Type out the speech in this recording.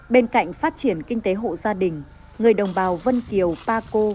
bên cạnh phát triển kinh tế hộ gia đình người đồng bào vân kiều ba cô